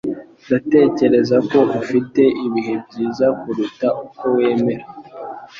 Ndatekereza ko ufite ibihe byiza kuruta uko wemera.